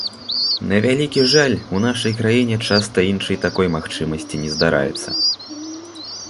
На вялікі жаль, у нашай краіне часта іншай такой магчымасці не здараецца.